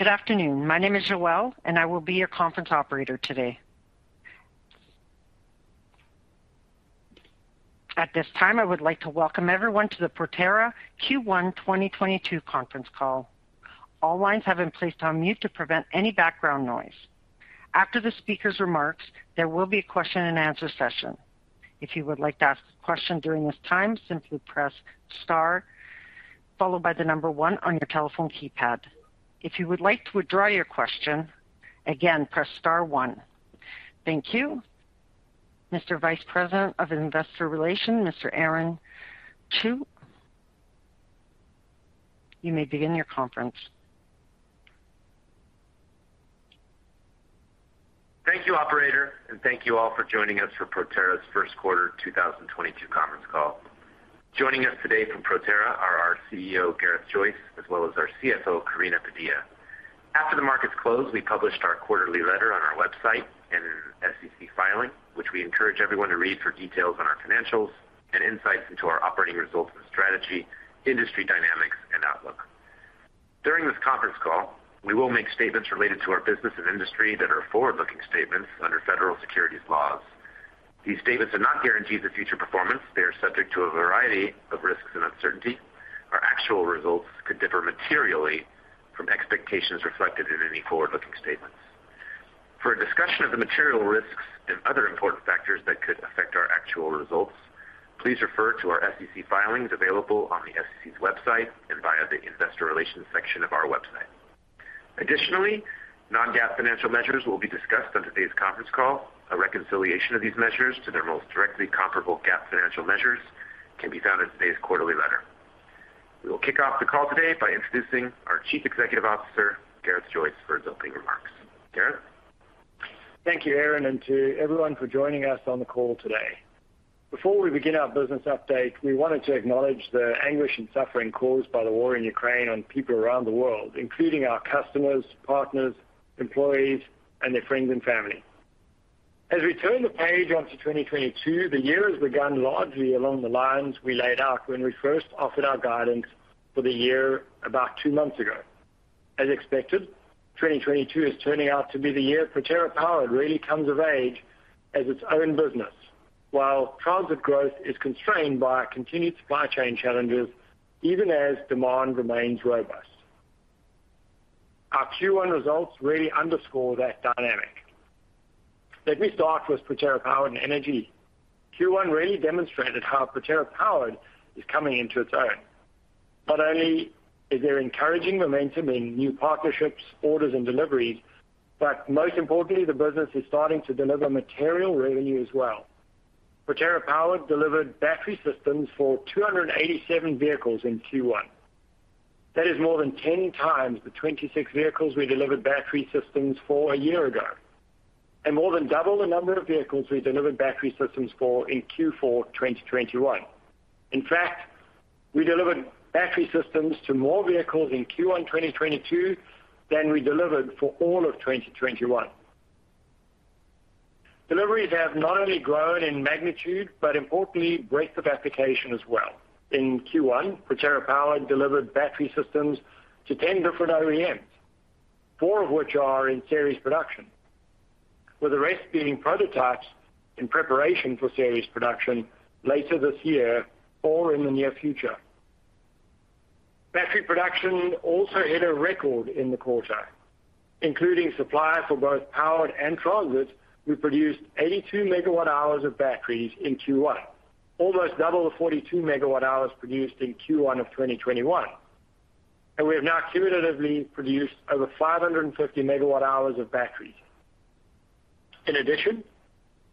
Good afternoon. My name is Joelle, and I will be your conference operator today. At this time, I would like to welcome everyone to the Proterra Q1 2022 conference call. All lines have been placed on mute to prevent any background noise. After the speaker's remarks, there will be a question and answer session. If you would like to ask a question during this time, simply press star followed by the number one on your telephone keypad. If you would like to withdraw your question, again, press star one. Thank you. Mr. Vice President of Investor Relations, Mr. Aaron Chew, you may begin your conference. Thank you, operator, and thank you all for joining us for Proterra's first quarter 2022 conference call. Joining us today from Proterra are our CEO, Gareth Joyce, as well as our CFO, Karina Padilla. After the markets closed, we published our quarterly letter on our website and in an SEC filing, which we encourage everyone to read for details on our financials and insights into our operating results and strategy, industry dynamics, and outlook. During this conference call, we will make statements related to our business and industry that are forward-looking statements under federal securities laws. These statements are not guarantees of future performance. They are subject to a variety of risks and uncertainties. Our actual results could differ materially from expectations reflected in any forward-looking statements. For a discussion of the material risks and other important factors that could affect our actual results, please refer to our SEC filings available on the SEC's website and via the investor relations section of our website. Additionally, non-GAAP financial measures will be discussed on today's conference call. A reconciliation of these measures to their most directly comparable GAAP financial measures can be found in today's quarterly letter. We will kick off the call today by introducing our Chief Executive Officer, Gareth Joyce, for his opening remarks. Gareth? Thank you, Aaron, and to everyone for joining us on the call today. Before we begin our business update, we wanted to acknowledge the anguish and suffering caused by the war in Ukraine on people around the world, including our customers, partners, employees, and their friends and family. As we turn the page onto 2022, the year has begun largely along the lines we laid out when we first offered our guidance for the year about two months ago. As expected, 2022 is turning out to be the year Proterra Powered really comes of age as its own business. While transit growth is constrained by our continued supply chain challenges, even as demand remains robust. Our Q1 results really underscore that dynamic. Let me start with Proterra Powered energy. Q1 really demonstrated how Proterra Powered is coming into its own. Not only is there encouraging momentum in new partnerships, orders, and deliveries, but most importantly, the business is starting to deliver material revenue as well. Proterra Powered delivered battery systems for 287 vehicles in Q1. That is more than 10 times the 26 vehicles we delivered battery systems for a year ago, and more than double the number of vehicles we delivered battery systems for in Q4 2021. In fact, we delivered battery systems to more vehicles in Q1 2022 than we delivered for all of 2021. Deliveries have not only grown in magnitude, but importantly, breadth of application as well. In Q1, Proterra Powered delivered battery systems to 10 different OEMs, four of which are in series production, with the rest being prototypes in preparation for series production later this year or in the near future. Battery production also hit a record in the quarter, including supply for both Powered and Transit. We produced 82 MW hours of batteries in Q1, almost double the 42 MW hours produced in Q1 of 2021. We have now cumulatively produced over 550 MW hours of batteries. In addition,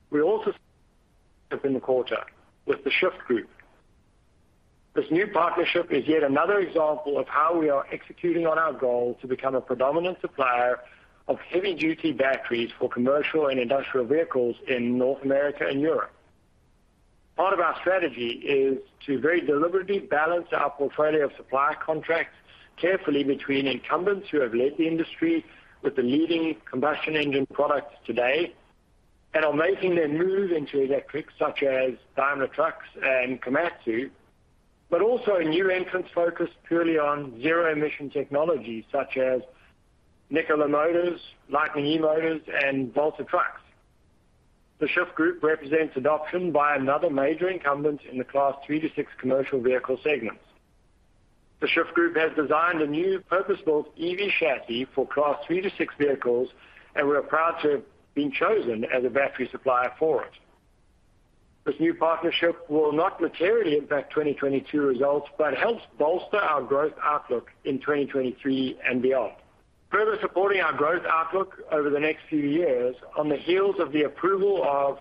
we also partnered in the quarter with The Shyft Group. This new partnership is yet another example of how we are executing on our goal to become a predominant supplier of heavy-duty batteries for commercial and industrial vehicles in North America and Europe. Part of our strategy is to very deliberately balance our portfolio of supply contracts carefully between incumbents who have led the industry with the leading combustion engine products today and are making their move into electrics such as Daimler Truck and Komatsu, but also a new entrant focused purely on zero-emission technologies such as Nikola motors, Lightning eMotors, and Volta Trucks. The Shyft Group represents adoption by another major incumbent in the Class 3-6 commercial vehicle segments. The Shyft Group has designed a new purpose-built EV chassis for Class 3-6 vehicles, and we are proud to have been chosen as a battery supplier for it. This new partnership will not materially impact 2022 results, but helps bolster our growth outlook in 2023 and beyond. Further supporting our growth outlook over the next few years on the heels of the approval of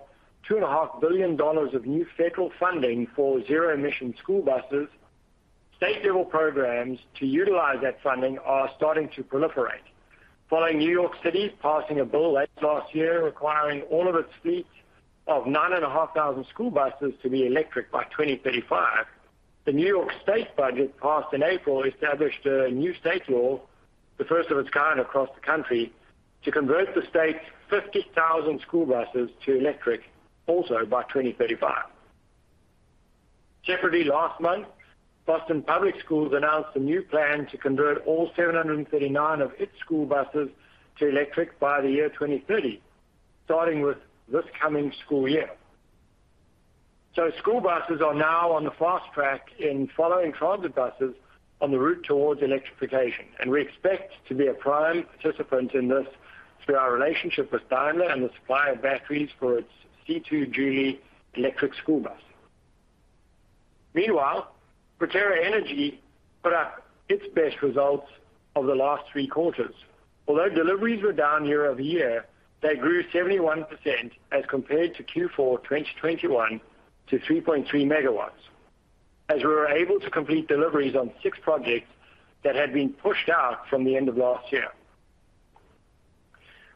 $2.5 billion of new federal funding for zero-emission school buses, state-level programs to utilize that funding are starting to proliferate. Following New York City passing a bill late last year requiring all of its fleet of 9,500 school buses to be electric by 2035, the New York State budget passed in April established a new state law, the first of its kind across the country, to convert the state's 50,000 school buses to electric also by 2035. Separately last month, Boston Public Schools announced a new plan to convert all 739 of its school buses to electric by the year 2030, starting with this coming school year. School buses are now on the fast track in following transit buses on the route towards electrification, and we expect to be a prime participant in this through our relationship with Daimler and the supply of batteries for its C2 Jouley electric school bus. Meanwhile, Proterra Energy put up its best results of the last three quarters. Although deliveries were down year-over-year, they grew 71% as compared to Q4 2021 to 3.3 MW, as we were able to complete deliveries on six projects that had been pushed out from the end of last year.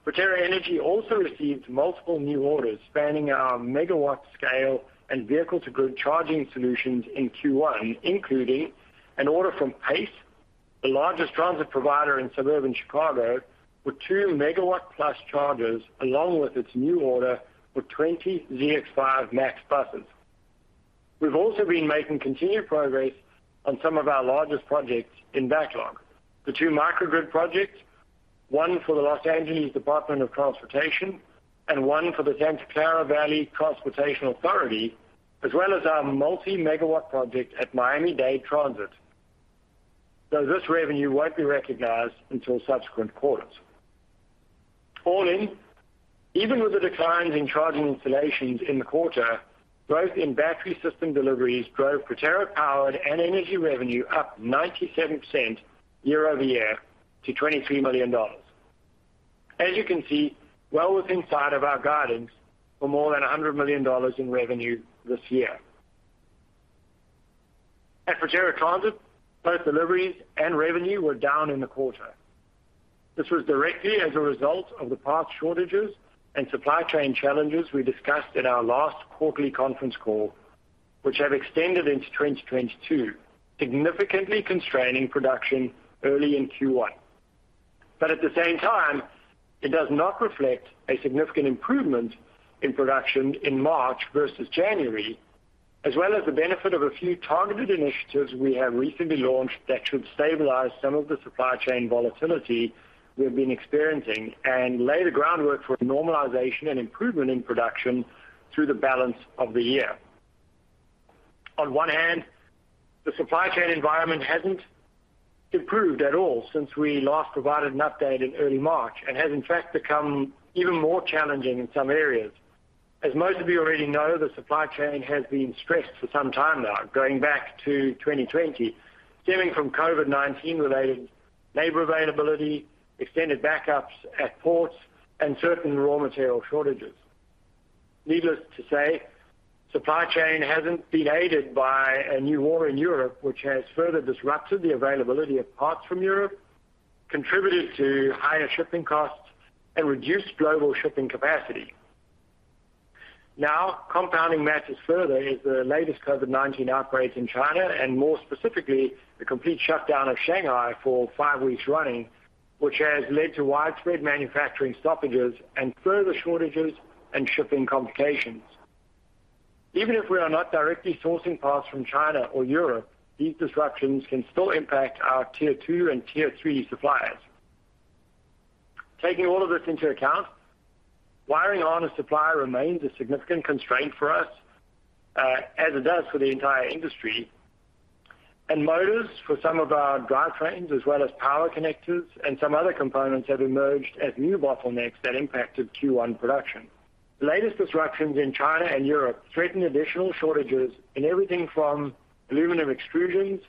Proterra Energy also received multiple new orders spanning our megawatt scale and vehicle-to-grid charging solutions in Q1, including an order from Pace, the largest transit provider in suburban Chicago, with two megawatt plus chargers, along with its new order for 20 ZX5 Max buses. We've also been making continued progress on some of our largest projects in backlog. The two microgrid projects, one for the Los Angeles Department of Transportation and one for the Santa Clara Valley Transportation Authority, as well as our multi-megawatt project at Miami-Dade Transit. Though this revenue won't be recognized until subsequent quarters. All in, even with the declines in charging installations in the quarter, growth in battery system deliveries drove Proterra Powered and Energy revenue up 97% year-over-year to $23 million. As you can see, well within sight of our guidance for more than $100 million in revenue this year. At Proterra Transit, both deliveries and revenue were down in the quarter. This was directly as a result of the parts shortages and supply chain challenges we discussed at our last quarterly conference call, which have extended into 2022, significantly constraining production early in Q1. At the same time, it does not reflect a significant improvement in production in March versus January, as well as the benefit of a few targeted initiatives we have recently launched that should stabilize some of the supply chain volatility we've been experiencing and lay the groundwork for normalization and improvement in production through the balance of the year. On one hand, the supply chain environment hasn't improved at all since we last provided an update in early March and has in fact become even more challenging in some areas. As most of you already know, the supply chain has been stressed for some time now, going back to 2020, stemming from COVID-19 related labor availability, extended backups at ports, and certain raw material shortages. Needless to say, supply chain hasn't been aided by a new war in Europe, which has further disrupted the availability of parts from Europe, contributed to higher shipping costs, and reduced global shipping capacity. Now, compounding matters further is the latest COVID-19 outbreaks in China, and more specifically, the complete shutdown of Shanghai for five weeks running, which has led to widespread manufacturing stoppages and further shortages and shipping complications. Even if we are not directly sourcing parts from China or Europe, these disruptions can still impact our tier two and tier three suppliers. Taking all of this into account, relying on a supplier remains a significant constraint for us, as it does for the entire industry. Motors for some of our drivetrains, as well as power connectors and some other components have emerged as new bottlenecks that impacted Q1 production. The latest disruptions in China and Europe threaten additional shortages in everything from aluminum extrusions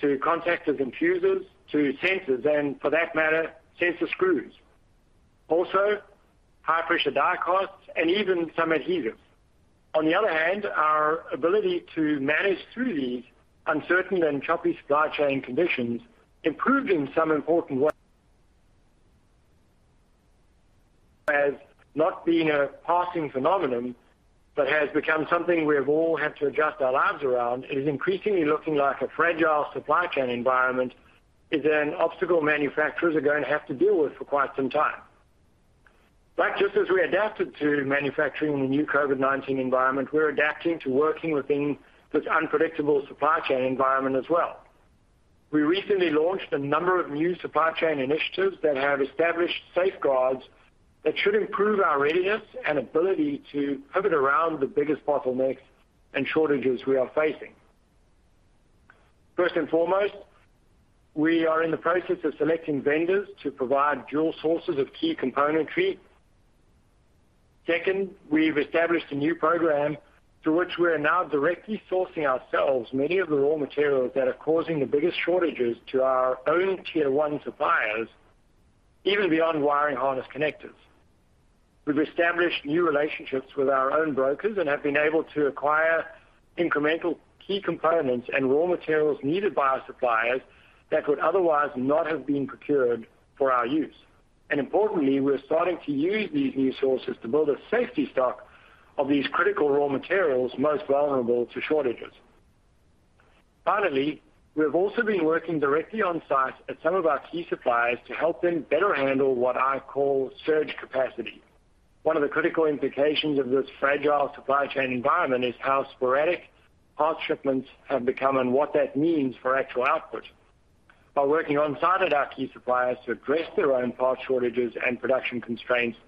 to contactors and fuses to sensors, and for that matter, sensor screws. Also, high pressure die casts and even some adhesives. On the other hand, our ability to manage through these uncertain and choppy supply chain conditions improved in some important ways as not being a passing phenomenon, but has become something we've all had to adjust our lives around. It is increasingly looking like a fragile supply chain environment is an obstacle manufacturers are going to have to deal with for quite some time. Just as we adapted to manufacturing in the new COVID-19 environment, we're adapting to working within this unpredictable supply chain environment as well. We recently launched a number of new supply chain initiatives that have established safeguards that should improve our readiness and ability to pivot around the biggest bottlenecks and shortages we are facing. First and foremost, we are in the process of selecting vendors to provide dual sources of key componentry. Second, we've established a new program through which we are now directly sourcing ourselves many of the raw materials that are causing the biggest shortages to our own tier one suppliers, even beyond wiring harness connectors. We've established new relationships with our own brokers and have been able to acquire incremental key components and raw materials needed by our suppliers that could otherwise not have been procured for our use. Importantly, we're starting to use these new sources to build a safety stock of these critical raw materials most vulnerable to shortages. Finally, we have also been working directly on site at some of our key suppliers to help them better handle what I call surge capacity. One of the critical implications of this fragile supply chain environment is how sporadic parts shipments have become and what that means for actual output. By working on site at our key suppliers to address their own parts shortages and production constraints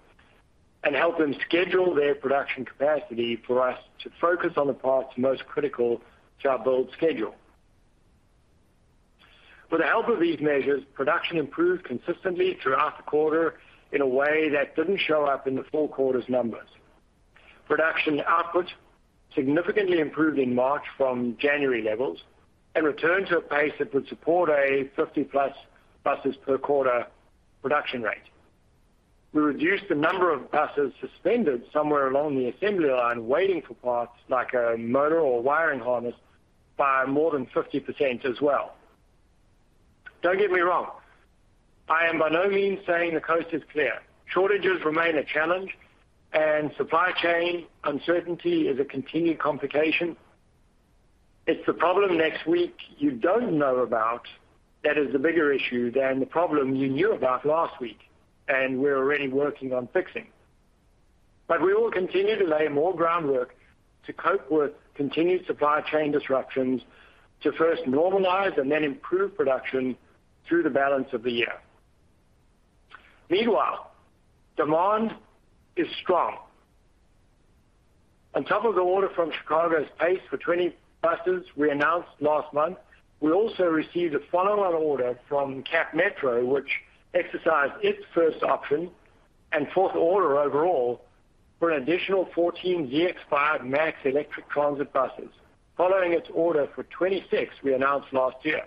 and help them schedule their production capacity for us to focus on the parts most critical to our build schedule. With the help of these measures, production improved consistently throughout the quarter in a way that didn't show up in the full quarter's numbers. Production output significantly improved in March from January levels and returned to a pace that would support a 50+ buses per quarter production rate. We reduced the number of buses suspended somewhere along the assembly line waiting for parts like a motor or wiring harness by more than 50% as well. Don't get me wrong, I am by no means saying the coast is clear. Shortages remain a challenge and supply chain uncertainty is a continued complication. It's the problem next week you don't know about that is the bigger issue than the problem you knew about last week, and we're already working on fixing. We will continue to lay more groundwork to cope with continued supply chain disruptions to first normalize and then improve production through the balance of the year. Meanwhile, demand is strong. On top of the order from Chicago's Pace for 20 buses we announced last month, we also received a follow-on order from CapMetro, which exercised its first option and fourth order overall for an additional 14 ZX5 Max electric transit buses following its order for 26 we announced last year.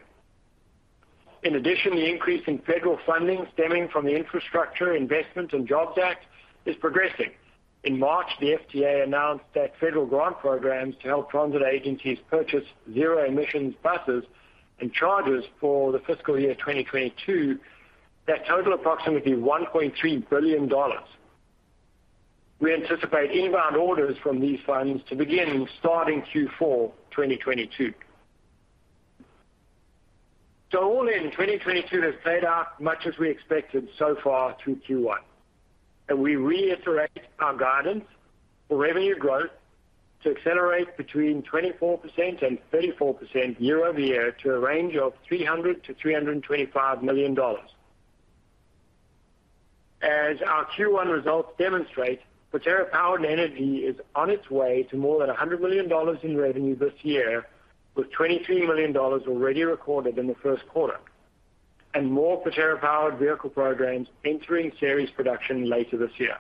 In addition, the increase in federal funding stemming from the Infrastructure Investment and Jobs Act is progressing. In March, the FTA announced that federal grant programs to help transit agencies purchase zero-emissions buses and chargers for the fiscal year 2022 that total approximately $1.3 billion. We anticipate inbound orders from these funds to begin starting Q4 2022. All in, 2022 has played out much as we expected so far through Q1, and we reiterate our guidance for revenue growth to accelerate between 24% and 34% year-over-year to a range of $300 million-$325 million. As our Q1 results demonstrate, Proterra Powered Energy is on its way to more than $100 million in revenue this year, with $23 million already recorded in the first quarter and more Proterra Powered vehicle programs entering series production later this year.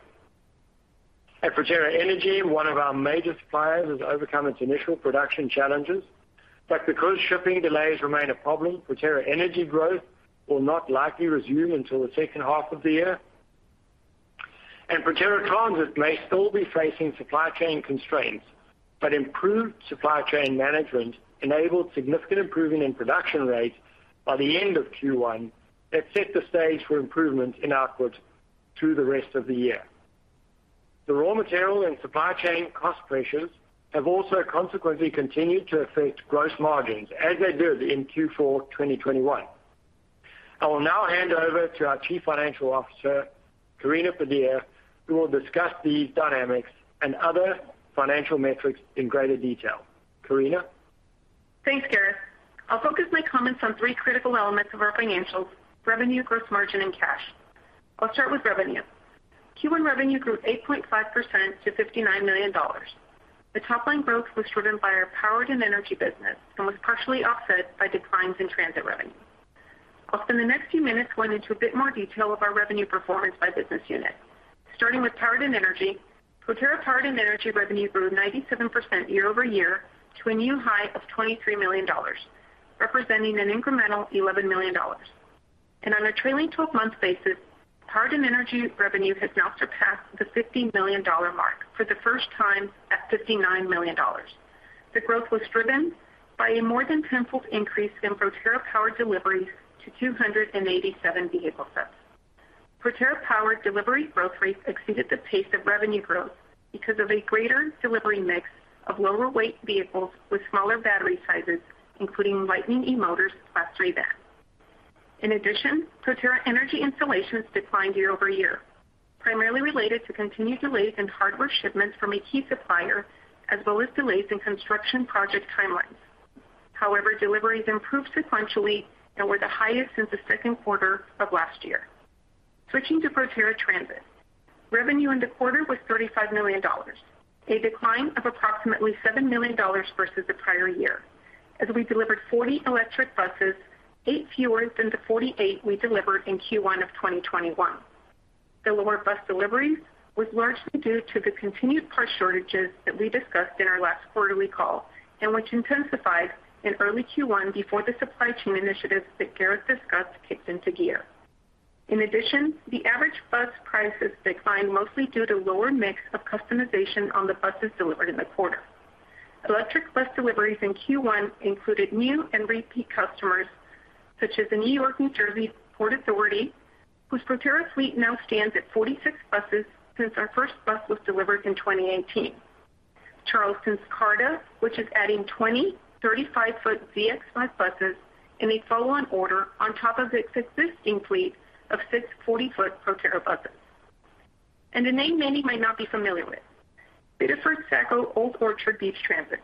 At Proterra Energy, one of our major suppliers has overcome its initial production challenges, but because shipping delays remain a problem, Proterra Energy growth will not likely resume until the second half of the year. Proterra Transit may still be facing supply chain constraints, but improved supply chain management enabled significant improvement in production rates by the end of Q1 that set the stage for improvement in output through the rest of the year. The raw material and supply chain cost pressures have also consequently continued to affect gross margins as they did in Q4 2021. I will now hand over to our Chief Financial Officer, Karina Padilla, who will discuss these dynamics and other financial metrics in greater detail. Karina? Thanks, Gareth. I'll focus my comments on three critical elements of our financials, revenue, gross margin, and cash. I'll start with revenue. Q1 revenue grew 8.5% to $59 million. The top-line growth was driven by our Powered and Energy business and was partially offset by declines in transit revenue. I'll spend the next few minutes going into a bit more detail of our revenue performance by business unit. Starting with Powered and Energy, Proterra Powered and Energy revenue grew 97% year-over-year to a new high of $23 million, representing an incremental $11 million. On a trailing twelve-month basis, Powered and Energy revenue has now surpassed the $50 million mark for the first time at $59 million. The growth was driven by a more than tenfold increase in Proterra Powered deliveries to 287 vehicle sets. Proterra Powered delivery growth rates exceeded the pace of revenue growth because of a greater delivery mix of lower weight vehicles with smaller battery sizes, including Lightning eMotors Class 3 vans. In addition, Proterra Energy installations declined year-over-year, primarily related to continued delays in hardware shipments from a key supplier, as well as delays in construction project timelines. However, deliveries improved sequentially and were the highest since the second quarter of last year. Switching to Proterra Transit. Revenue in the quarter was $35 million, a decline of approximately $7 million versus the prior year, as we delivered 40 electric buses, eight fewer than the 48 we delivered in Q1 of 2021. The lower bus deliveries was largely due to the continued parts shortages that we discussed in our last quarterly call, and which intensified in early Q1 before the supply chain initiatives that Gareth discussed kicked into gear. In addition, the average bus prices declined mostly due to lower mix of customization on the buses delivered in the quarter. Electric bus deliveries in Q1 included new and repeat customers such as the Port Authority of New York and New Jersey, whose Proterra fleet now stands at 46 buses since our first bus was delivered in 2018. Charleston's CARTA, which is adding 20 35-foot ZX5 buses in a follow-on order on top of its existing fleet of six 40-foot Proterra buses. A name many might not be familiar with, Biddeford Saco Old Orchard Beach Transit,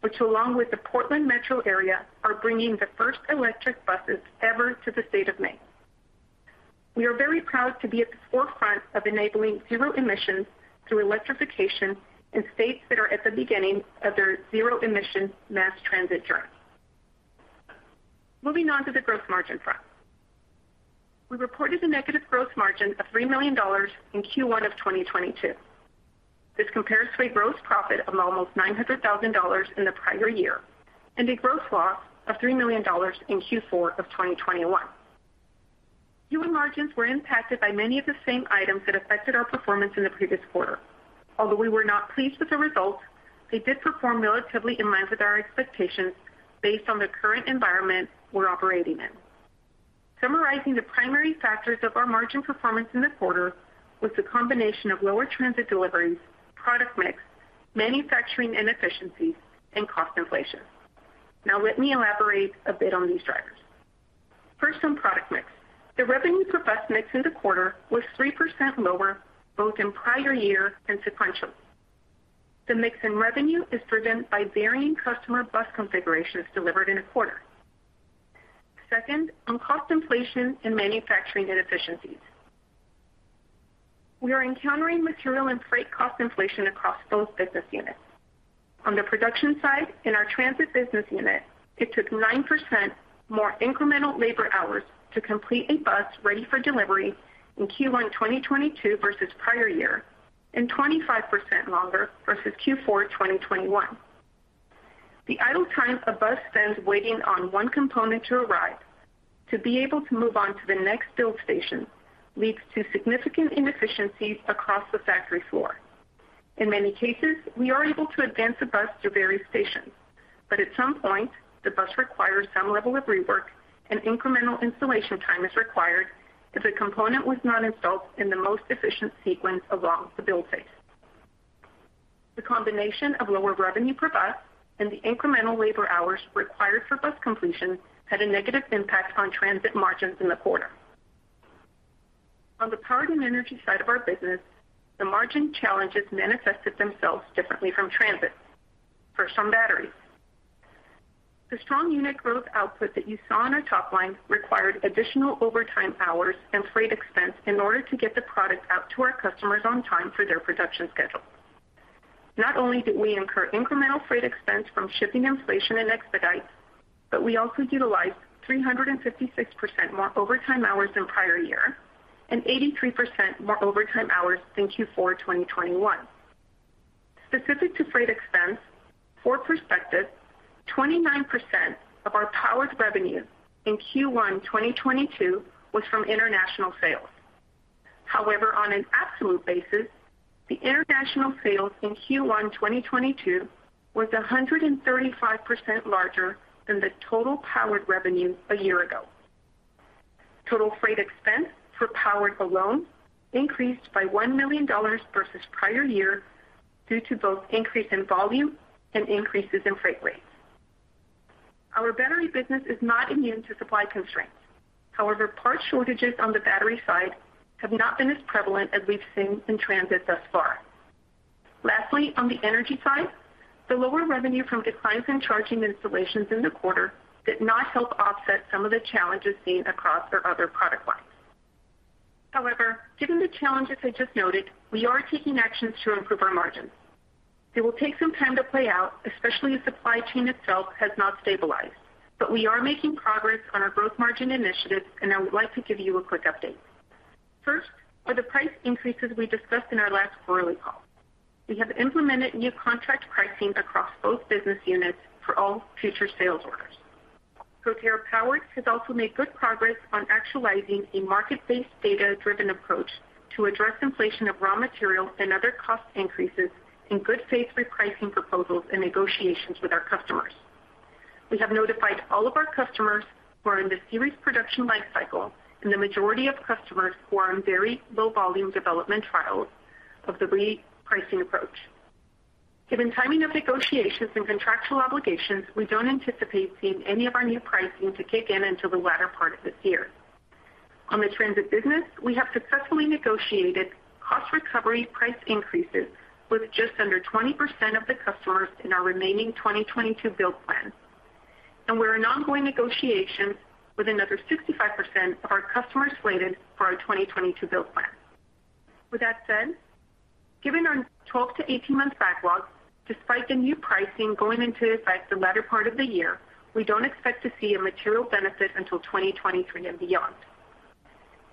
which along with the Portland metro area, are bringing the first electric buses ever to the state of Maine. We are very proud to be at the forefront of enabling zero emissions through electrification in states that are at the beginning of their zero emission mass transit journey. Moving on to the growth margin front. We reported a negative growth margin of $3 million in Q1 of 2022. This compares to a gross profit of almost $900,000 in the prior year, and a gross loss of $3 million in Q4 of 2021. Q1 margins were impacted by many of the same items that affected our performance in the previous quarter. Although we were not pleased with the results, they did perform relatively in line with our expectations based on the current environment we're operating in. Summarizing the primary factors of our margin performance in the quarter was the combination of lower transit deliveries, product mix, manufacturing inefficiencies and cost inflation. Now let me elaborate a bit on these drivers. First, on product mix. The revenue per bus mix in the quarter was 3% lower, both in prior year and sequential. The mix in revenue is driven by varying customer bus configurations delivered in a quarter. Second, on cost inflation and manufacturing inefficiencies. We are encountering material and freight cost inflation across both business units. On the production side, in our transit business unit, it took 9% more incremental labor hours to complete a bus ready for delivery in Q1 2022 versus prior year, and 25% longer versus Q4 2021. The idle time a bus spends waiting on one component to arrive to be able to move on to the next build station, leads to significant inefficiencies across the factory floor. In many cases, we are able to advance a bus through various stations, but at some point, the bus requires some level of rework, and incremental installation time is required if a component was not installed in the most efficient sequence along the build phase. The combination of lower revenue per bus and the incremental labor hours required for bus completion, had a negative impact on transit margins in the quarter. On the power and energy side of our business, the margin challenges manifested themselves differently from transit. First, on batteries. The strong unit growth output that you saw on our top line required additional overtime hours and freight expense in order to get the product out to our customers on time for their production schedule. Not only did we incur incremental freight expense from shipping inflation and expedites, but we also utilized 356% more overtime hours than prior year, and 83% more overtime hours than Q4 2021. Specific to freight expense, for perspective, 29% of our powered revenue in Q1 2022 was from international sales. However, on an absolute basis, the international sales in Q1 2022 was 135% larger than the total powered revenue a year ago. Total freight expense for Powered alone increased by $1 million versus prior year due to both increase in volume and increases in freight rates. Our battery business is not immune to supply constraints. However, parts shortages on the battery side have not been as prevalent as we've seen in Transit thus far. Lastly, on the Energy side, the lower revenue from declines in charging installations in the quarter did not help offset some of the challenges seen across our other product lines. However, given the challenges I just noted, we are taking actions to improve our margins. It will take some time to play out, especially as supply chain itself has not stabilized. We are making progress on our gross margin initiatives, and I would like to give you a quick update. First, are the price increases we discussed in our last quarterly call. We have implemented new contract pricing across both business units for all future sales orders. Proterra Powered has also made good progress on actualizing a market-based, data-driven approach to address inflation of raw materials and other cost increases in good faith repricing proposals and negotiations with our customers. We have notified all of our customers who are in the series production life cycle and the majority of customers who are on very low volume development trials of the repricing approach. Given timing of negotiations and contractual obligations, we don't anticipate seeing any of our new pricing to kick in until the latter part of this year. On the transit business, we have successfully negotiated cost recovery price increases with just under 20% of the customers in our remaining 2022 build plan, and we're in ongoing negotiations with another 65% of our customers slated for our 2022 build plan. With that said, given our 12-18 month backlog, despite the new pricing going into effect the latter part of the year, we don't expect to see a material benefit until 2023 and beyond.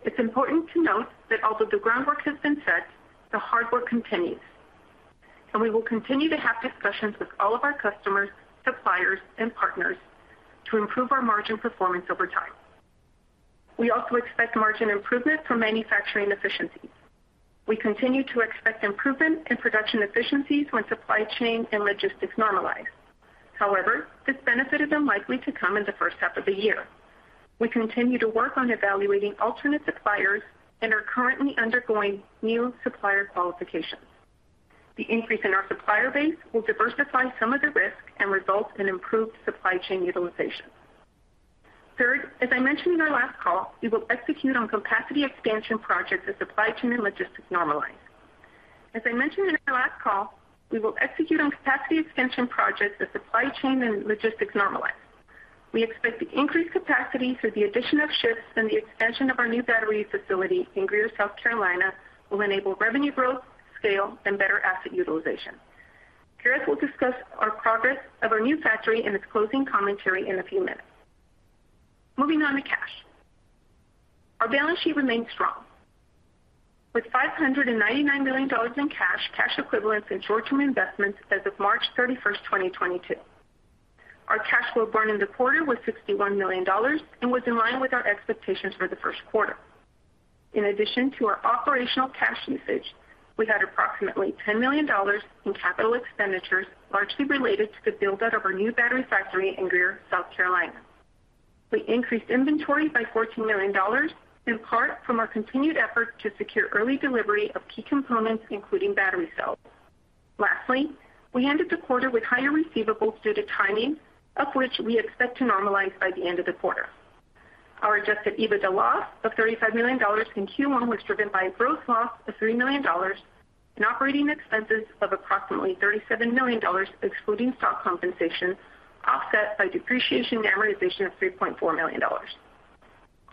It's important to note that although the groundwork has been set, the hard work continues, and we will continue to have discussions with all of our customers, suppliers and partners to improve our margin performance over time. We also expect margin improvement from manufacturing efficiency. We continue to expect improvement in production efficiencies when supply chain and logistics normalize. However, this benefit is unlikely to come in the first half of the year. We continue to work on evaluating alternate suppliers and are currently undergoing new supplier qualifications. The increase in our supplier base will diversify some of the risk and result in improved supply chain utilization. Third, as I mentioned in our last call, we will execute on capacity expansion projects as supply chain and logistics normalize. We expect the increased capacity through the addition of shifts and the expansion of our new battery facility in Greer, South Carolina, will enable revenue growth, scale, and better asset utilization. Gareth will discuss our progress of our new factory in his closing commentary in a few minutes. Moving on to cash. Our balance sheet remains strong. With $599 million in cash equivalents, and short-term investments as of March 31st, 2022. Our cash flow burn in the quarter was $61 million and was in line with our expectations for the first quarter. In addition to our operational cash usage, we had approximately $10 million in capital expenditures, largely related to the build-out of our new battery factory in Greer, South Carolina. We increased inventory by $14 million, in part from our continued effort to secure early delivery of key components, including battery cells. Lastly, we ended the quarter with higher receivables due to timing, of which we expect to normalize by the end of the quarter. Our adjusted EBITDA loss of $35 million in Q1 was driven by gross loss of $3 million and operating expenses of approximately $37 million, excluding stock compensation, offset by depreciation and amortization of $3.4 million.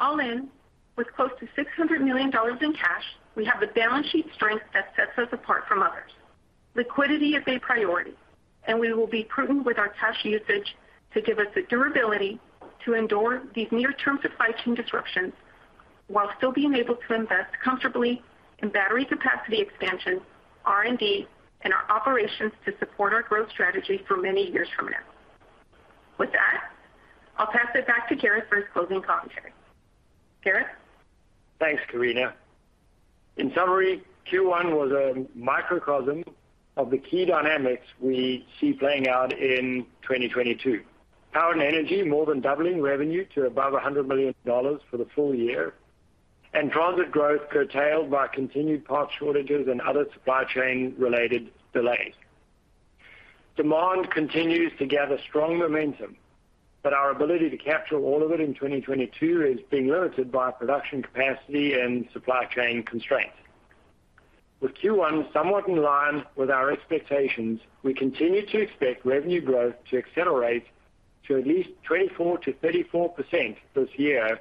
All in, with close to $600 million in cash, we have the balance sheet strength that sets us apart from others. Liquidity is a priority, and we will be prudent with our cash usage to give us the durability to endure these near-term supply chain disruptions while still being able to invest comfortably in battery capacity expansion, R&D, and our operations to support our growth strategy for many years from now. With that, I'll pass it back to Gareth for his closing commentary. Gareth? Thanks, Karina. In summary, Q1 was a microcosm of the key dynamics we see playing out in 2022. Powered and Energy more than doubling revenue to above $100 million for the full year, and transit growth curtailed by continued parts shortages and other supply chain-related delays. Demand continues to gather strong momentum, but our ability to capture all of it in 2022 is being limited by production capacity and supply chain constraints. With Q1 somewhat in line with our expectations, we continue to expect revenue growth to accelerate to at least 24%-34% this year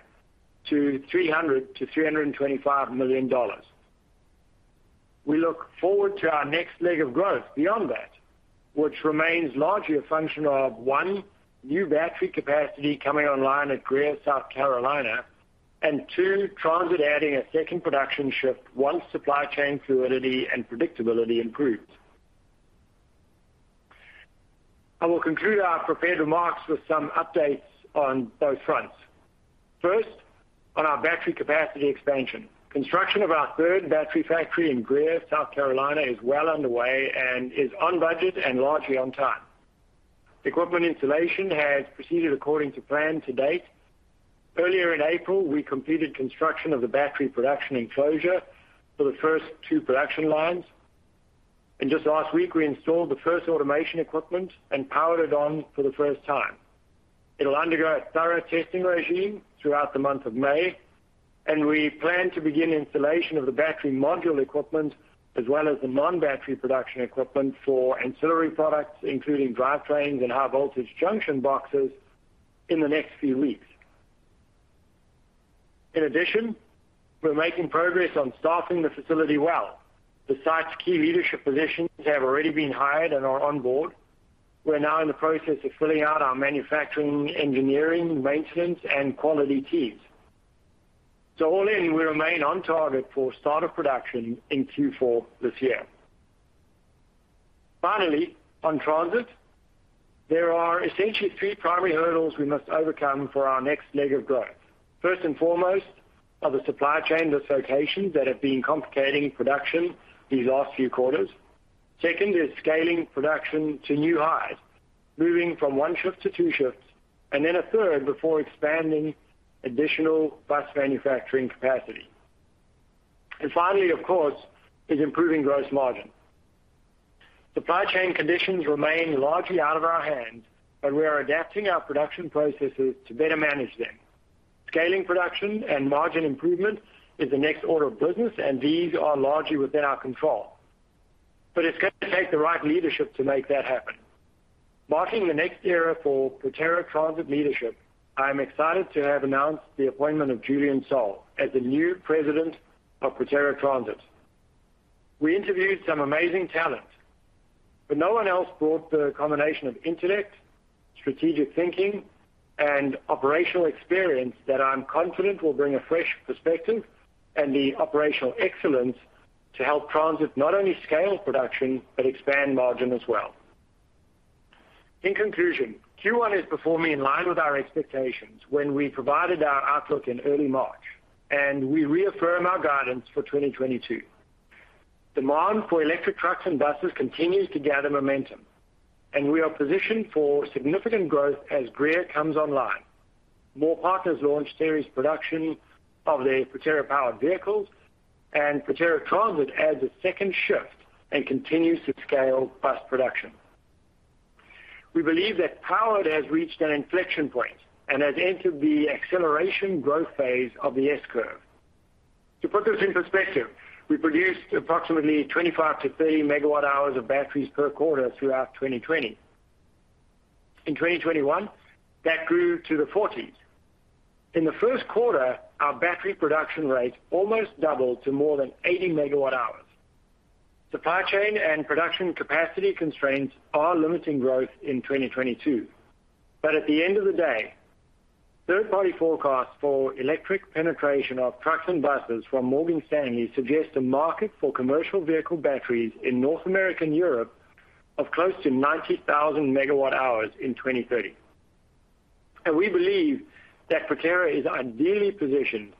to $300 million-$325 million. We look forward to our next leg of growth beyond that, which remains largely a function of, one, new battery capacity coming online at Greer, South Carolina, and two, transit adding a second production shift once supply chain fluidity and predictability improves. I will conclude our prepared remarks with some updates on those fronts. First, on our battery capacity expansion. Construction of our third battery factory in Greer, South Carolina, is well underway and is on budget and largely on time. Equipment installation has proceeded according to plan to date. Earlier in April, we completed construction of the battery production enclosure for the first two production lines. Just last week, we installed the first automation equipment and powered it on for the first time. It'll undergo a thorough testing regime throughout the month of May, and we plan to begin installation of the battery module equipment as well as the non-battery production equipment for ancillary products, including drivetrains and high voltage junction boxes in the next few weeks. In addition, we're making progress on staffing the facility well. The site's key leadership positions have already been hired and are on board. We're now in the process of filling out our manufacturing, engineering, maintenance, and quality teams. All in, we remain on target for start of production in Q4 this year. Finally, on transit, there are essentially three primary hurdles we must overcome for our next leg of growth. First and foremost are the supply chain dislocations that have been complicating production these last few quarters. Second is scaling production to new highs, moving from one shift to two shifts, and then a third before expanding additional bus manufacturing capacity. Finally, of course, is improving gross margin. Supply chain conditions remain largely out of our hands, but we are adapting our production processes to better manage them. Scaling production and margin improvement is the next order of business, and these are largely within our control. It's going to take the right leadership to make that happen. Marking the next era for Proterra Transit leadership, I am excited to have announced the appointment of Julian Soell as the new president of Proterra Transit. We interviewed some amazing talent, but no one else brought the combination of intellect, strategic thinking, and operational experience that I'm confident will bring a fresh perspective and the operational excellence to help Transit not only scale production but expand margin as well. In conclusion, Q1 is performing in line with our expectations when we provided our outlook in early March, and we reaffirm our guidance for 2022. Demand for electric trucks and buses continues to gather momentum, and we are positioned for significant growth as Greer comes online. More partners launch series production of their Proterra-powered vehicles, and Proterra Transit adds a second shift and continues to scale bus production. We believe that Powered has reached an inflection point and has entered the acceleration growth phase of the S-curve. To put this in perspective, we produced approximately 25 MW-30 MW hours of batteries per quarter throughout 2020. In 2021, that grew to the 40s. In the first quarter, our battery production rate almost doubled to more than 80 MW hours. Supply chain and production capacity constraints are limiting growth in 2022. At the end of the day, third-party forecasts for electric penetration of trucks and buses from Morgan Stanley suggest a market for commercial vehicle batteries in North America and Europe of close to 90,000 MW hours in 2030. We believe that Proterra is ideally positioned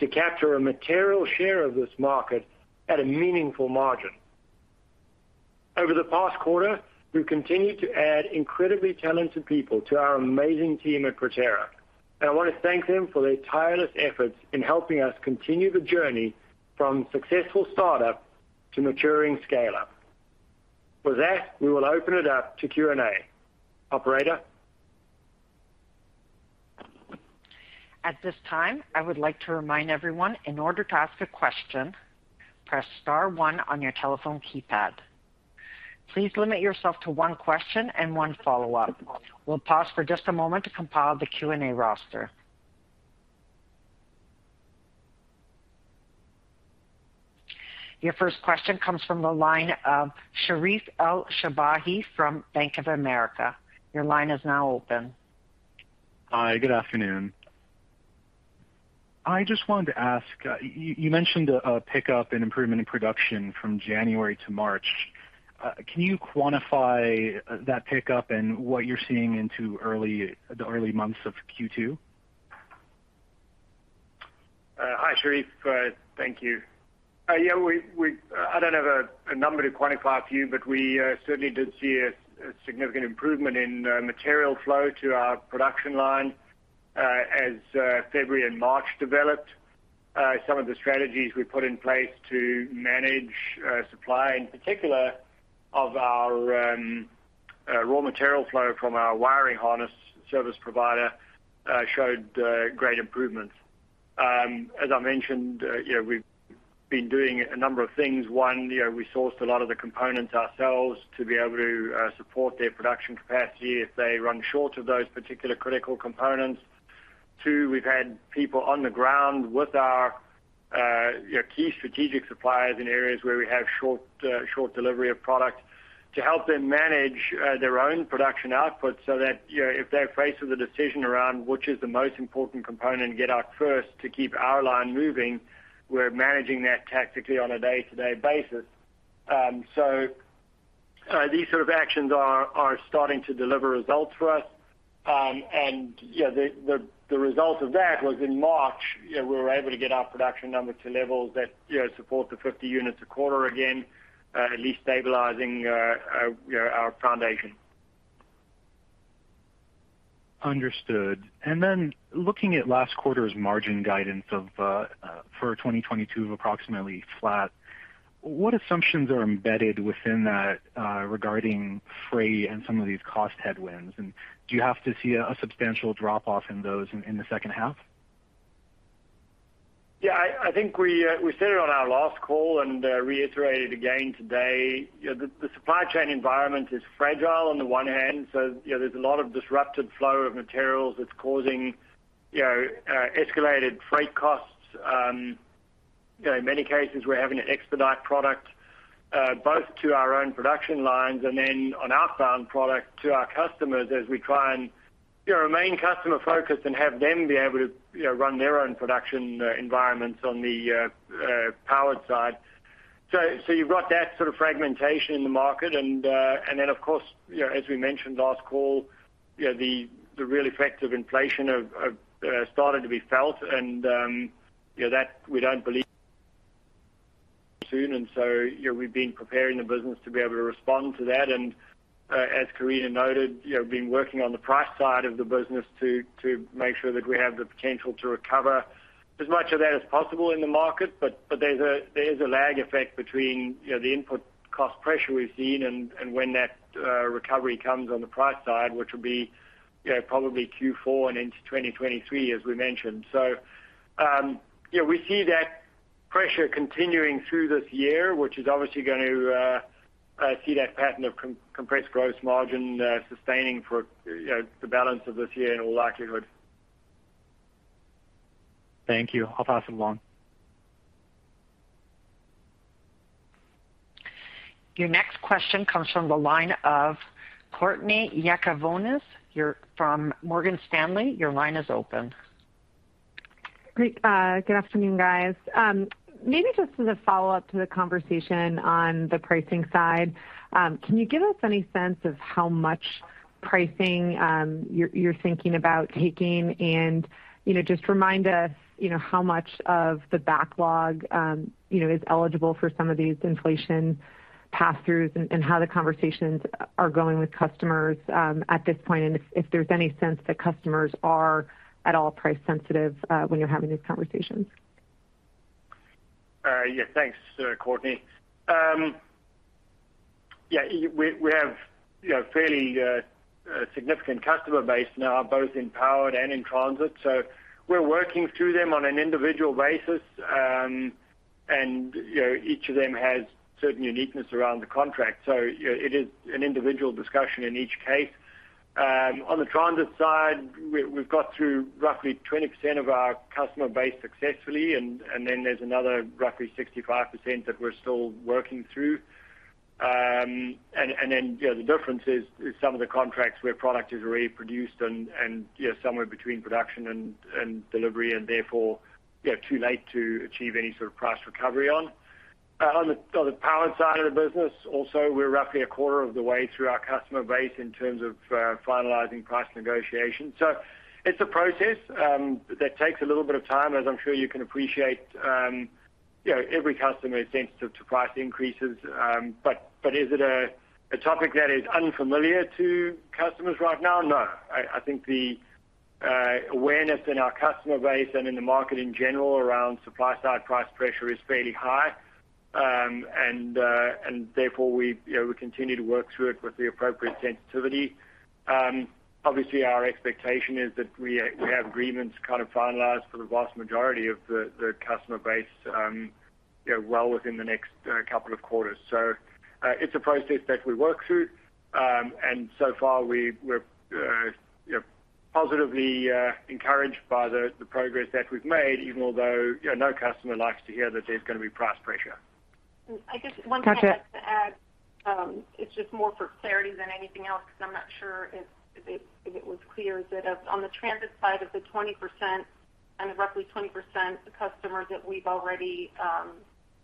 to capture a material share of this market at a meaningful margin. Over the past quarter, we've continued to add incredibly talented people to our amazing team at Proterra, and I want to thank them for their tireless efforts in helping us continue the journey from successful startup to maturing scale-up. With that, we will open it up to Q&A. Operator? At this time, I would like to remind everyone, in order to ask a question, press star one on your telephone keypad. Please limit yourself to one question and one follow-up. We'll pause for just a moment to compile the Q&A roster. Your first question comes from the line of Sherif El-Sabbahy from Bank of America. Your line is now open. Hi, good afternoon. I just wanted to ask, you mentioned a pickup in improvement in production from January to March. Can you quantify that pickup and what you're seeing into the early months of Q2? Hi, Sherif. Thank you. I don't have a number to quantify for you, but we certainly did see a significant improvement in material flow to our production line, as February and March developed. Some of the strategies we put in place to manage supply, in particular of our raw material flow from our wiring harness service provider, showed great improvements. As I mentioned, you know, we've been doing a number of things. One, you know, we sourced a lot of the components ourselves to be able to support their production capacity if they run short of those particular critical components. Two, we've had people on the ground with our, you know, key strategic suppliers in areas where we have short delivery of product to help them manage their own production output so that, you know, if they're faced with a decision around which is the most important component to get out first to keep our line moving, we're managing that tactically on a day-to-day basis. These sort of actions are starting to deliver results for us. Yeah, the result of that was in March, you know, we were able to get our production numbers to levels that, you know, support the 50 units a quarter again, at least stabilizing, you know, our foundation. Understood. Then looking at last quarter's margin guidance of for 2022 of approximately flat, what assumptions are embedded within that, regarding freight and some of these cost headwinds? Do you have to see a substantial drop-off in those in the second half? Yeah, I think we said it on our last call and reiterated again today. You know, the supply chain environment is fragile on the one hand. You know, there's a lot of disrupted flow of materials that's causing escalated freight costs. You know, in many cases, we're having to expedite product both to our own production lines and then on outbound product to our customers as we try and remain customer-focused and have them be able to run their own production environments on the powered side. You've got that sort of fragmentation in the market. Of course, you know, as we mentioned last call, you know, the real effects of inflation have started to be felt. You know, that we don't believe soon. You know, we've been preparing the business to be able to respond to that. As Karina noted, you know, been working on the price side of the business to make sure that we have the potential to recover as much of that as possible in the market. But there is a lag effect between you know, the input cost pressure we've seen and when that recovery comes on the price side, which will be you know, probably Q4 and into 2023, as we mentioned. You know, we see that pressure continuing through this year, which is obviously going to see that pattern of compressed gross margin sustaining for you know, the balance of this year in all likelihood. Thank you. I'll pass it along. Your next question comes from the line of Courtney Yakavonis from Morgan Stanley. Your line is open. Great. Good afternoon, guys. Maybe just as a follow-up to the conversation on the pricing side, can you give us any sense of how much pricing you're thinking about taking? You know, just remind us, you know, how much of the backlog is eligible for some of these inflation pass-throughs, and how the conversations are going with customers at this point, and if there's any sense that customers are at all price sensitive when you're having these conversations. Yeah, thanks, Courtney. We have, you know, a fairly significant customer base now, both in powered and in transit. We're working through them on an individual basis. You know, each of them has certain uniqueness around the contract. It is an individual discussion in each case. On the transit side, we've got through roughly 20% of our customer base successfully, and then there's another roughly 65% that we're still working through. You know, the difference is some of the contracts where product is already produced, and, you know, somewhere between production and delivery, and therefore, you know, too late to achieve any sort of price recovery on. On the power side of the business, also, we're roughly a quarter of the way through our customer base in terms of finalizing price negotiations. It's a process that takes a little bit of time, as I'm sure you can appreciate. You know, every customer is sensitive to price increases. Is it a topic that is unfamiliar to customers right now? No. I think the awareness in our customer base and in the market in general around supply side price pressure is fairly high. Therefore we, you know, continue to work through it with the appropriate sensitivity. Obviously, our expectation is that we have agreements kind of finalized for the vast majority of the customer base, you know, well within the next couple of quarters. It's a process that we work through. So far we're, you know, positively encouraged by the progress that we've made, even though, you know, no customer likes to hear that there's gonna be price pressure. I guess one thing I'd like to add. It's just more for clarity than anything else because I'm not sure if it was clear. That on the transit side of the 20%, kind of roughly 20% customers that we've already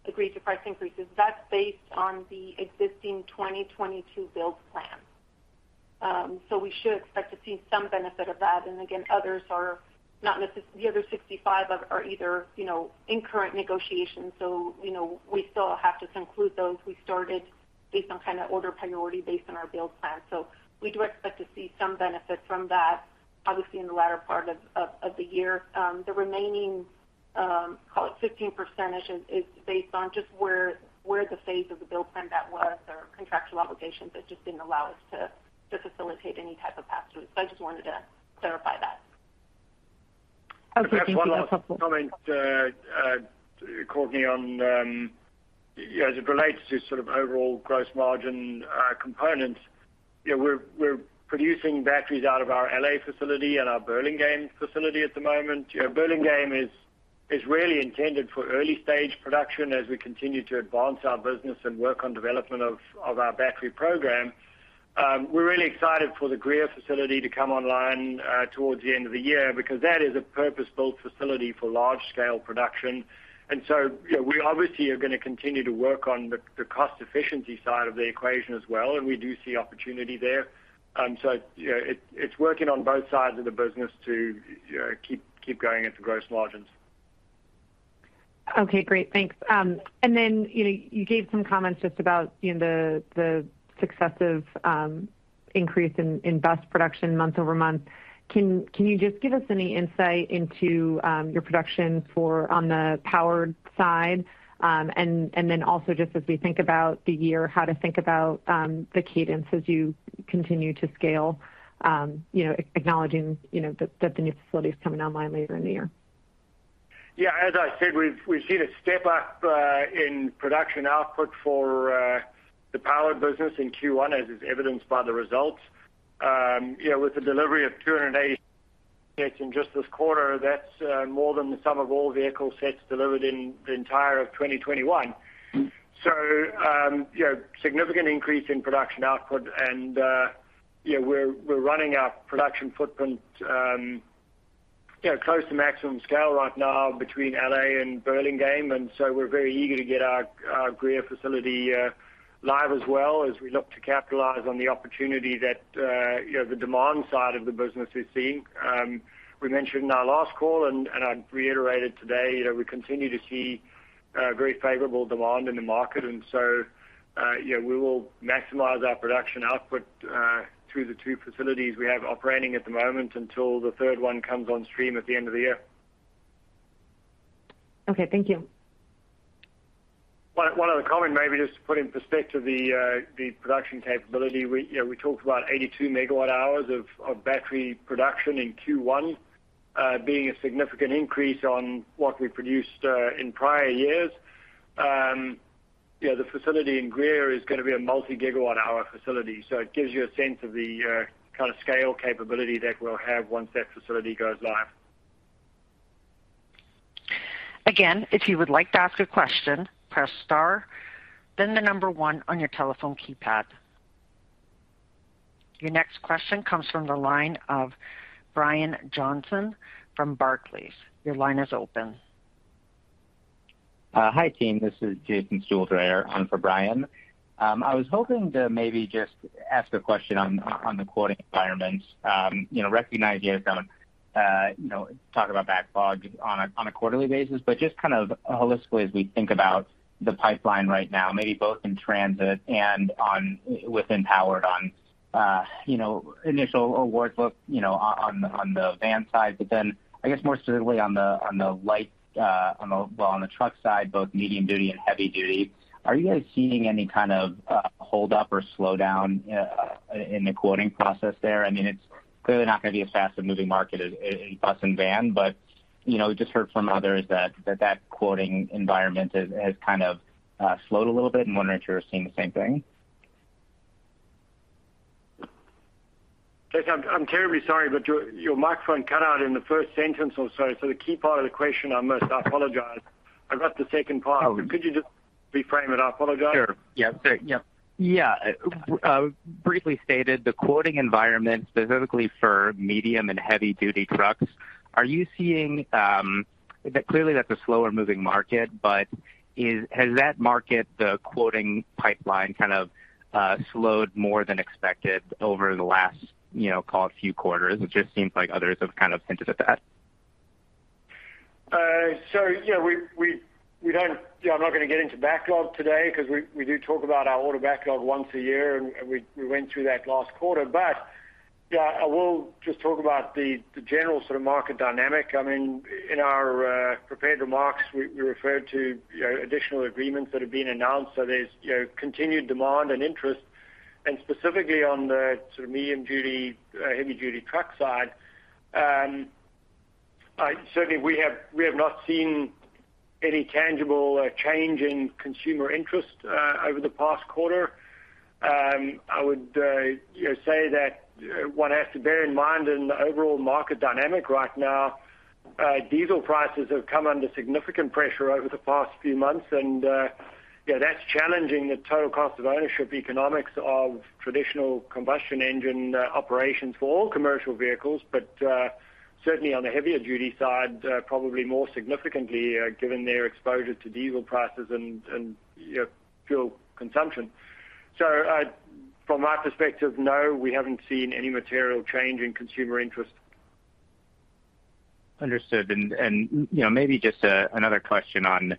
agreed to price increases, that's based on the existing 2022 build plan. We should expect to see some benefit of that. Again, others, the other 65% are either, you know, in current negotiations, so, you know, we still have to conclude those. We started based on kind of order priority based on our build plan. We do expect to see some benefit from that, obviously, in the latter part of the year. The remaining, call it 15% is based on just where the phase of the build plan that was or contractual obligations that just didn't allow us to facilitate any type of pass-through. I just wanted to clarify that. Okay, thank you. If I can add one last comment, Courtney, on you know, as it relates to sort of overall gross margin components. You know, we're producing batteries out of our LA facility and our Burlingame facility at the moment. You know, Burlingame is really intended for early stage production as we continue to advance our business and work on development of our battery program. We're really excited for the Greer facility to come online, towards the end of the year because that is a purpose-built facility for large scale production. You know, we obviously are gonna continue to work on the cost efficiency side of the equation as well, and we do see opportunity there. You know, it's working on both sides of the business to you know, keep going into gross margins. Okay, great. Thanks. You know, you gave some comments just about, you know, the successive increase in bus production month-over-month. Can you just give us any insight into your production on the powered side? Also, just as we think about the year, how to think about the cadence as you continue to scale, you know, acknowledging that the new facility is coming online later in the year. Yeah. As I said, we've seen a step up in production output for the Powered business in Q1, as is evidenced by the results. You know, with the delivery of 280 sets in just this quarter, that's more than the sum of all vehicle sets delivered in the entire of 2021. You know, significant increase in production output and you know, we're running our production footprint you know, close to maximum scale right now between LA and Burlingame, and so we're very eager to get our Greer facility live as well, as we look to capitalize on the opportunity that you know, the demand side of the business is seeing. We mentioned in our last call, and I'd reiterate it today, you know, we continue to see very favorable demand in the market. You know, we will maximize our production output through the two facilities we have operating at the moment until the third one comes on stream at the end of the year. Okay, thank you. One other comment maybe just to put in perspective the production capability. We, you know, talked about 82 MW hours of battery production in Q1 being a significant increase on what we produced in prior years. You know, the facility in Greer is gonna be a multi-gigwatt hours facility, so it gives you a sense of the kind of scale capability that we'll have once that facility goes live. Again, if you would like to ask a question, press star, then the number one on your telephone keypad. Your next question comes from the line of Brian Johnson from Barclays. Your line is open. Hi, team. This is Jason Stuhldreher there on for Brian. I was hoping to maybe just ask a question on the quoting environment. You know, recognize you guys don't talk about backlog on a quarterly basis, but just kind of holistically as we think about the pipeline right now, maybe both in transit and with Powered on initial awards book on the van side, but then I guess more specifically on the truck side, both medium duty and heavy duty. Are you guys seeing any kind of hold up or slowdown in the quoting process there? I mean, it's clearly not gonna be as fast a moving market as bus and van, but, you know, just heard from others that quoting environment has kind of slowed a little bit and wondering if you were seeing the same thing? Jason, I'm terribly sorry, but your microphone cut out in the first sentence or so. The key part of the question I missed. I apologize. I got the second part. Oh. Could you just reframe it? I apologize. Briefly stated, the quoting environment specifically for medium and heavy duty trucks, are you seeing that clearly that's a slower moving market, but has that market, the quoting pipeline kind of slowed more than expected over the last, you know, call it few quarters? It just seems like others have kind of hinted at that. Yeah, I'm not gonna get into backlog today because we do talk about our order backlog once a year, and we went through that last quarter. Yeah, I will just talk about the general sort of market dynamic. I mean, in our prepared remarks, we referred to, you know, additional agreements that have been announced. There's, you know, continued demand and interest. Specifically on the sort of medium duty heavy duty truck side, certainly we have not seen any tangible change in consumer interest over the past quarter. I would, you know, say that one has to bear in mind in the overall market dynamic right now, diesel prices have come under significant pressure over the past few months. Yeah, that's challenging the total cost of ownership economics of traditional combustion engine operations for all commercial vehicles. Certainly on the heavier duty side, probably more significantly, given their exposure to diesel prices and you know, fuel consumption. From my perspective, no, we haven't seen any material change in consumer interest. Understood. You know, maybe just another question on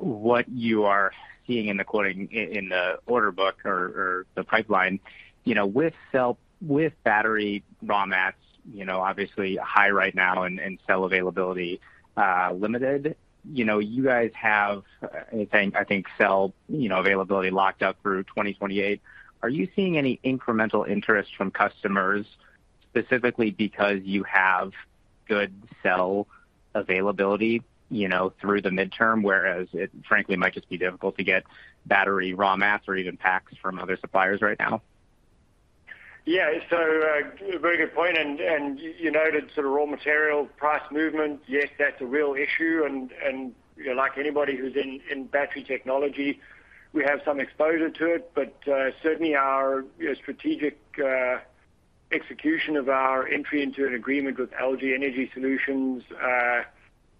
what you are seeing in the order book or the pipeline. You know, with battery raw materials, you know, obviously high right now and cell availability limited. You know, you guys have, I think, cell availability locked up through 2028. Are you seeing any incremental interest from customers specifically because you have good cell availability, you know, through the midterm, whereas it frankly might just be difficult to get battery raw materials or even packs from other suppliers right now? Yeah. A very good point. You noted sort of raw material price movement. Yes, that's a real issue. You know, like anybody who's in battery technology, we have some exposure to it. But certainly our strategic execution of our entry into an agreement with LG Energy Solution,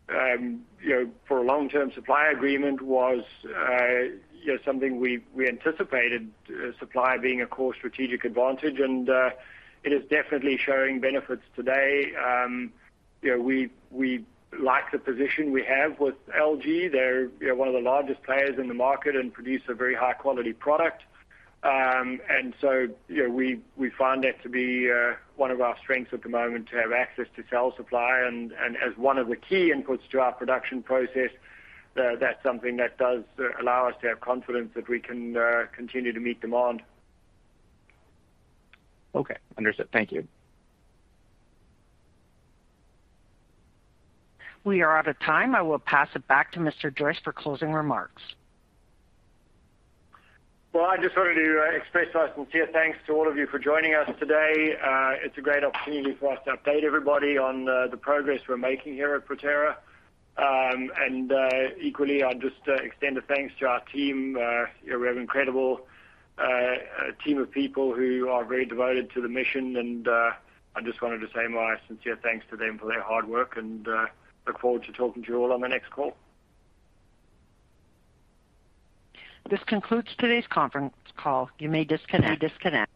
you know, for a long-term supply agreement was, you know, something we anticipated, supply being a core strategic advantage. It is definitely showing benefits today. You know, we like the position we have with LG. They're, you know, one of the largest players in the market and produce a very high-quality product. You know, we find that to be one of our strengths at the moment to have access to cell supply and as one of the key inputs to our production process, that's something that does allow us to have confidence that we can continue to meet demand. Okay. Understood. Thank you. We are out of time. I will pass it back to Mr. Joyce for closing remarks. Well, I just wanted to express our sincere thanks to all of you for joining us today. It's a great opportunity for us to update everybody on the progress we're making here at Proterra. Equally, I'll just extend a thanks to our team. You know, we have an incredible team of people who are very devoted to the mission, and I just wanted to say my sincere thanks to them for their hard work and look forward to talking to you all on the next call. This concludes today's conference call. You may disconnect.